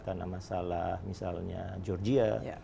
karena masalah misalnya georgia